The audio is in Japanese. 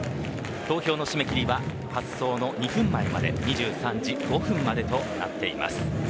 投票の締め切りは発走の２分前まで２３時５分までとなっています。